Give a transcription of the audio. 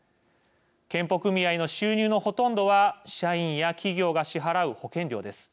健保組合の収入のほとんどは社員や企業が支払う保険料です。